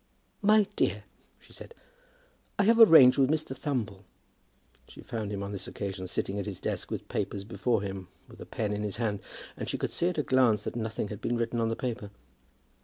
"My dear," she said, "I have arranged with Mr. Thumble." She found him on this occasion sitting at his desk with papers before him, with a pen in his hand; and she could see at a glance that nothing had been written on the paper.